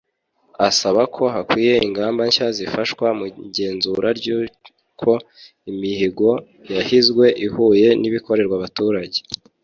Asaba ko hakwiye ingamba nshya zifasha mu igenzura ry’uko imihigo yahizwe ihuye n’ibikorerwa abaturage